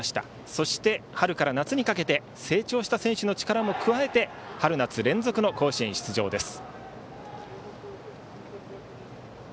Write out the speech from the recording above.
そして、春から夏にかけて成長した選手の力も加えて春夏連続の甲子園出場です。